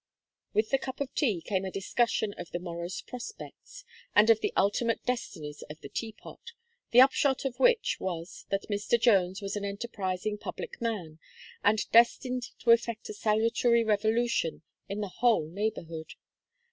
With the cup of tea, came a discussion of the morrow's prospects, and of the ultimate destinies of the Teapot the upshot of which was, that Mr. Jones was an enterprising public man, and destined to effect a salutary revolution in the whole neighbourhood.